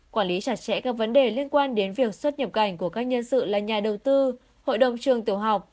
quản lý chặt chẽ các vấn đề liên quan đến việc xuất nhập cảnh của các nhân sự là nhà đầu tư hội đồng trường tiểu học